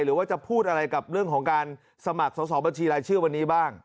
หรือว่าจะพูดอะไรกับเรื่องของการสมัครสอบบัญชีรายชื่อวันนี้บ้าง